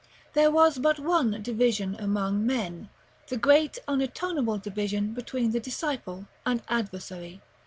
There was but one division among men, the great unatoneable division between the disciple and adversary.